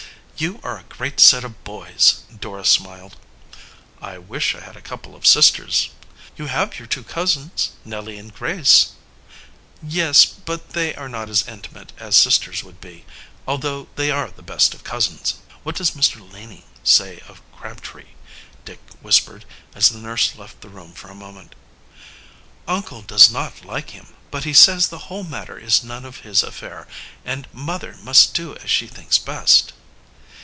"You are a great set of boys!" Dora smiled. "I wish I had a couple of sisters." "You have your two cousins, Nellie and Grace." "Yes, but they are not as intimate as sisters would be although they are the best of cousins." "What does Mr. Laning say of Crabtree?" Dick whispered, as the nurse left the room for a moment. "Uncle does not like him, but he says the whole matter is none of his affair and mother must do as she thinks best."